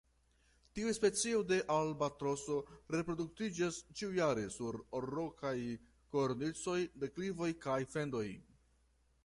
Tiu specio de albatroso reproduktiĝas ĉiujare sur rokaj kornicoj, deklivoj, kaj fendoj.